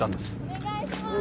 お願いします